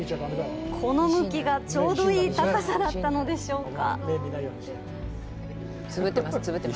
この向きがちょうどいい高さだったのでしょうか。